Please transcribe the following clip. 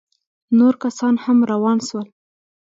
نور کسان هم روان سول.